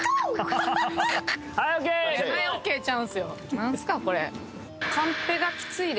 何すかこれ？